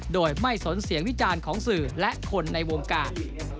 โดยไม่สนเสียงวิจารณ์ของสื่อและคนในวงการ